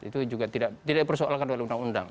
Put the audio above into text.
itu juga tidak dipersoalkan oleh undang undang